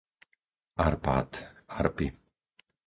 Arpád, Arpi